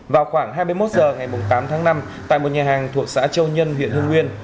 vào khoảng hai mươi một h ngày tám tháng năm tại một nhà hàng thuộc xã châu nhân huyện hưng nguyên